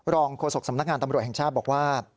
โฆษกสำนักงานตำรวจแห่งชาติบอกว่า